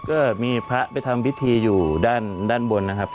ก็มีพระไปทำพิธีอยู่ด้านบนนะครับ